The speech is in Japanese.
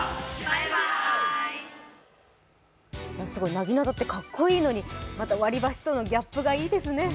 なぎなたってかっこいいのに、また割り箸とのギャップがいいですね。